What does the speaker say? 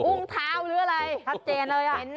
อุ้งเท้าหรืออะไร